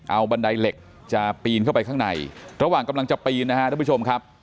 เอาบันไดเหล็กจะปีนเข้าไปข้างในระหว่างกำลังจะปีนนะฮะท่านผู้ชมครับ